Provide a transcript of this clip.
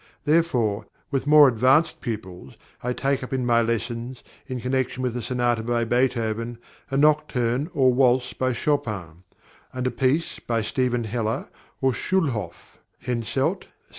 Therefore, with more advanced pupils, I take up in my lessons, in connection with a sonata by Beethoven, a nocturne or waltz by Chopin, and a piece by St. Heller or Schulhoff, Henselt, C.